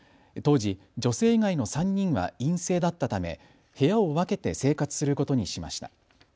当時、女性以外の３人は陰性だったため部屋を分けて生活することにしました。